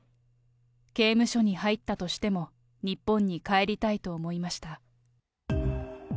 刑務所に入ったとしても、日本に帰りたいと思いました。